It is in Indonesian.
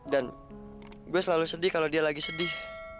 dan gue selalu sedih kalau dia lagi sedih